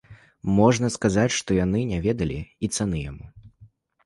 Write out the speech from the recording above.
Можна сказаць, што яны не ведалі і цаны яму.